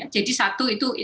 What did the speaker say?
jadi satu itu